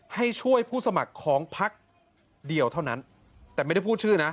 ให้ช่วยผู้สมัครของพักเดียวเท่านั้นแต่ไม่ได้พูดชื่อนะ